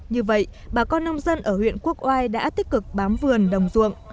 như vậy bà con nông dân ở huyện quốc oai đã tích cực bám vườn đồng ruộng